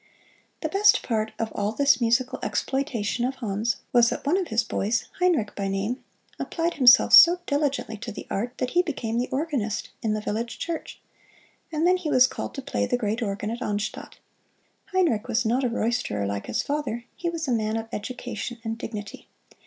The best part of all this musical exploitation of Hans was that one of his boys, Heinrich by name, applied himself so diligently to the art that he became the organist in the village church, and then he was called to play the great organ at Arnstadt. Heinrich was not a roisterer like his father: he was a man of education and dignity.